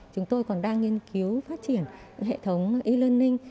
chúng tôi còn đang nghiên cứu phát triển hệ thống e learning